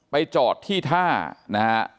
จอดที่ท่านะฮะ